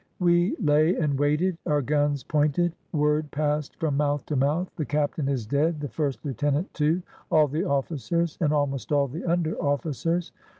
We lay and waited, our guns pointed. Word passed from mouth to mouth: "The captain is dead; the first heutenant, too — all the ofiicers — and almost all the under officers."